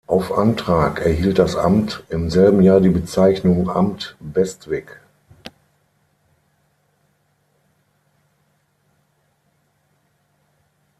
Auf Antrag erhielt das Amt im selben Jahr die Bezeichnung „Amt Bestwig“.